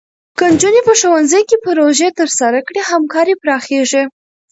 که نجونې په ښوونځي کې پروژې ترسره کړي، همکاري پراخېږي.